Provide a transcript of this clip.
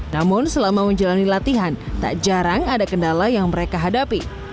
namun selama menjalani latihan tak jarang ada kendala yang mereka hadapi